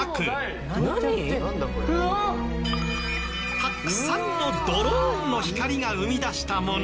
たくさんのドローンの光が生み出したもの。